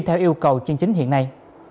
theo yêu cầu chương trình hiện nay